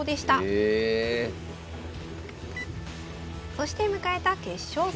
そして迎えた決勝戦。